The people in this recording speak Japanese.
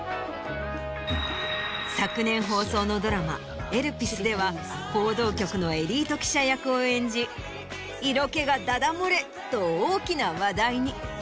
昨年放送のドラマ『エルピス』では報道局のエリート記者役を演じ「色気がダダ漏れ」と大きな話題に。